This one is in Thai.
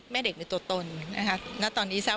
แม่เด็กในตัวตนนะครับ